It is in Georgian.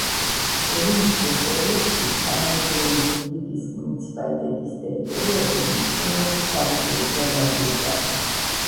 ელინისტურ პერიოდში თანამედროვე ზუგდიდის მუნიციპალიტეტის ტერიტორიაზე მნიშვნელოვანი სავაჭრო გზა გადიოდა